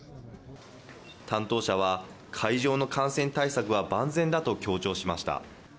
担当者は会場の感染対策は万全だと強調しました。